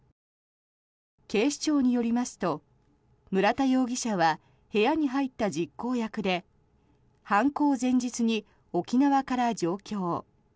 警視庁によりますと村田容疑者は部屋に入った実行役で犯行前日に沖縄から上京。